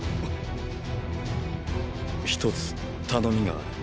一つ頼みがある。